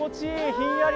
ひんやり。